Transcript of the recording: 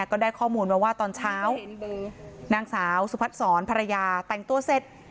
ก็ได้ข้อมูลมาว่าตอนเช้านางสาวสุพัฒนศรภรรยาแต่งตัวเสร็จ